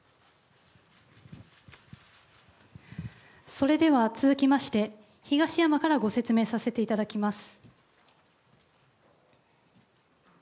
それでは続きまして東山からご説明させていただきます。